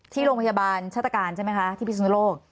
ที่โรงพยาบาลชาตการใช่ไหมคะที่พิศนุโลก